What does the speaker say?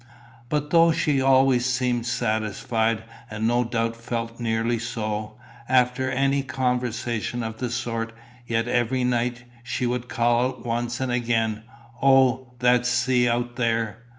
But though she always seemed satisfied, and no doubt felt nearly so, after any conversation of the sort, yet every night she would call out once and again, "O, that sea, out there!"